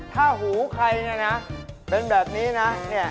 ถ้าหูใครนี่นะเป็นแบบนี้นะ